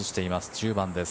１０番です。